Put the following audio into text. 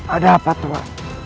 ada apa tuan